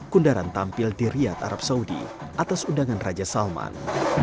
kundaran tampil di riyad arab saudi atas undangan raja salman